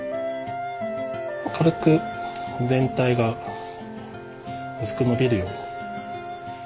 軽く全体がうすくのびるように。